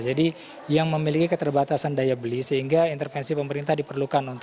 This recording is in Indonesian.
jadi yang memiliki keterbatasan daya beli sehingga intervensi pemerintah diperlukan